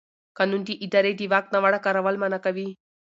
قانون د ادارې د واک ناوړه کارول منع کوي.